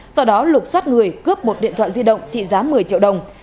sau đó lục xót người cướp một điện thoại di động trị giá một mươi triệu đồng